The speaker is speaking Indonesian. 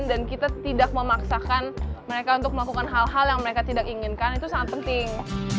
dan kita tidak memaksakan mereka untuk melakukan hal hal yang mereka tidak inginkan itu sangat penting